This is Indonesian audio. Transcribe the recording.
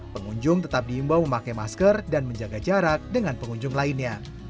pengunjung tetap diimbau memakai masker dan menjaga jarak dengan pengunjung lainnya